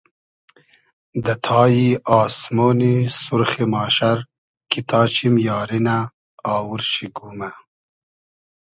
دۂ تای آسمۉنی سورخی ماشئر کی تا چیم یاری نۂ آوور شی گومۂ